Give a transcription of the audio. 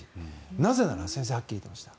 なぜなら先生、はっきり言いました。